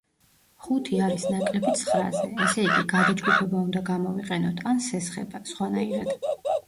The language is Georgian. ხუთი არის ნაკლები ცხრაზე, ესე იგი, გადაჯგუფება უნდა გამოვიყენოთ, ან სესხება, სხვანაირად.